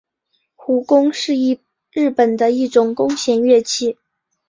胡弓是日本的一种弓弦乐器。